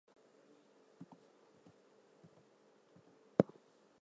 Boikoff's first name is sometimes spelled as "Lucille".